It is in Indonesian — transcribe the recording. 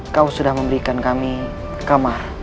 kau sudah memberikan kami kamar